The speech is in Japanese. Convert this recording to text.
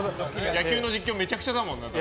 野球の実況めちゃくちゃだもんな。